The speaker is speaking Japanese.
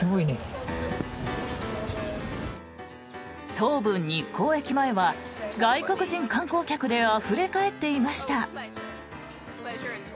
東武日光駅前は外国人観光客であふれ返っていました。